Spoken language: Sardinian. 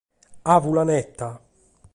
Faula neta!